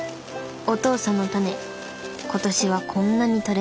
お父さんのタネ今年はこんなにとれました。